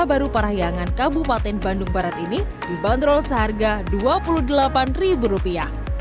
baru baru perahyangan kabupaten bandung barat ini dibanderol seharga dua puluh delapan ribu rupiah